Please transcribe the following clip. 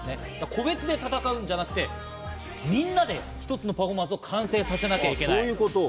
個別て戦うんではなくて、みんなで一つのパフォーマンスを完成させなきゃいけない。